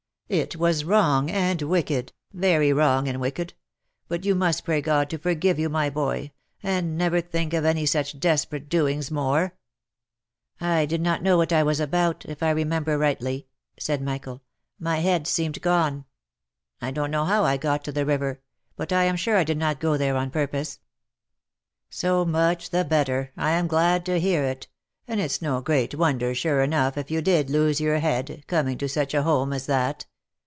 " It was wrong and wicked, very wrong and wicked ! but you must pray God to forgive you, my boy, and never think of any such desperate doings more." " I did not know what I was about, if I remember rightly," said Michael. " My head seemed gone. I don't know how I got to the river, but I am sure I did not go there on purpose." " So much the better — I am glad to hear it — and it's no great won der, sure enough, if you did lose your head, coming to such a home as that.